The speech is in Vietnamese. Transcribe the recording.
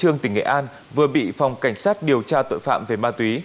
trường tỉnh nghệ an vừa bị phòng cảnh sát điều tra tội phạm về ma túy